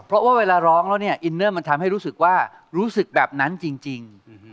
เพราะว่าเวลาร้องแล้วเนี่ยอินเนอร์มันทำให้รู้สึกว่ารู้สึกแบบนั้นจริง